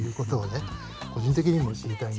個人的にも知りたいなという。